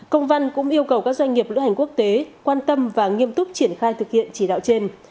công văn cũng yêu cầu các doanh nghiệp lữ hành quốc tế quan tâm và nghiêm túc triển khai thực hiện chỉ đạo trên